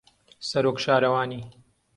سەرۆک شارەوانی